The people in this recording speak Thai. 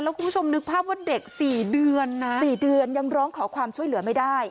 คุณผู้ชมนึกภาพว่าเด็ก๔เดือนนะ๔เดือนยังร้องขอความช่วยเหลือไม่ได้